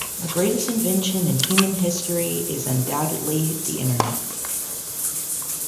The greatest invention in human history is undoubtedly the internet.